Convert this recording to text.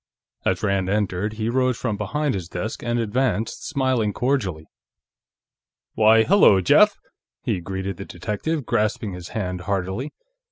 As Rand entered, he rose from behind his desk and advanced, smiling cordially. "Why, hello, Jeff!" he greeted the detective, grasping his hand heartily.